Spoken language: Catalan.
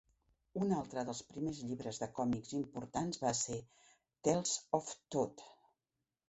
Un altre dels primers llibres de còmics importants va ser "Tales of Toad".